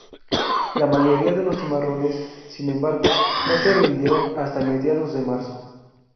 La mayoría de los cimarrones, sin embargo, no se rindieron hasta mediados de marzo.